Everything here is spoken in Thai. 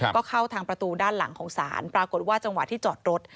ก็เข้าทางประตูด้านหลังของศาลปรากฏว่าจังหวะที่จอดรถ